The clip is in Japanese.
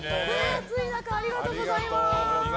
暑い中ありがとうございます。